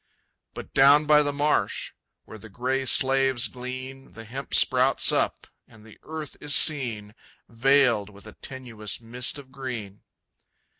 But down by the marsh, where the gray slaves glean, The hemp sprouts up, and the earth is seen Veiled with a tenuous mist of green.